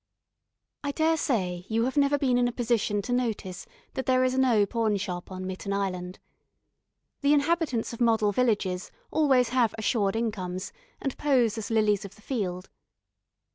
I dare say you have never been in a position to notice that there is no pawn shop on Mitten Island. The inhabitants of model villages always have assured incomes and pose as lilies of the field.